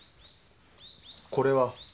これは？